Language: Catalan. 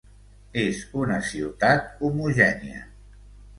És una ciutat homogènia.